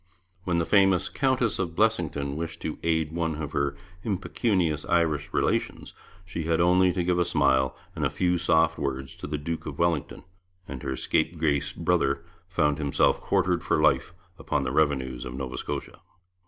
When the famous Countess of Blessington wished to aid one of her impecunious Irish relations, she had only to give a smile and a few soft words to the Duke of Wellington, and her scape grace brother found himself quartered for life upon the revenues of Nova Scotia.